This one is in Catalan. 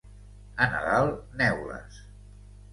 A Nadal, neules.